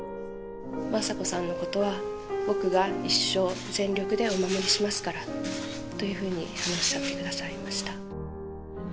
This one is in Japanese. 雅子さんのことは、僕が一生全力でお守りしますからというふうにおっしゃってくださいました。